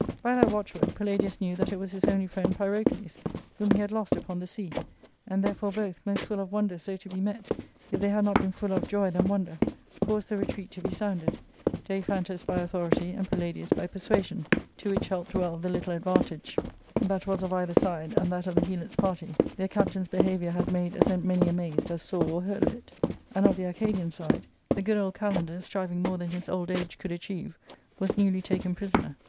. By that watchword Palladius knew that it was his only friend Pyrpcles. whom he had lost upon the sea, and there "^ fore both, most full of wonder so to be met, if they had not been fuller of joy than wonder, caused the retreat to be sounded, Daiphantus by authority, and Palladius by per suasion ; to which helped well the little advantage that was * Objections— ob zxidijaceo, adverse blows* 38 ARCADIA. ^Book L of either side, and that, of the Helots* party, their captain's behaviour had made as many amazed as saw or heard of it, and, of the Arcadian side, the good old Kalander, striving more than his old age could achieve, was newly taken pri soner.